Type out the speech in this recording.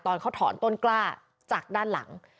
ตอนเขาถอนต้นกล้าจากด้านหลัง